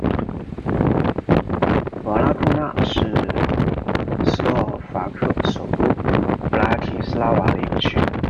瓦拉库纳是斯洛伐克首都布拉提斯拉瓦的一个区。